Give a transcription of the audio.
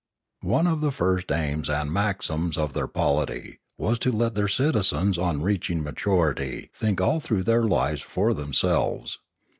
One of the first aims and maxims of their polity was to let their citizens on reaching maturity think all through their lives for themselves.